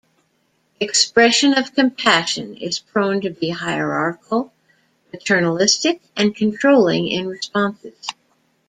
Expression of compassion is prone to be hierarchical, paternalistic and controlling in responses.